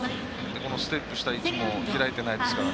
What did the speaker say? ステップした位置も開いていないですから。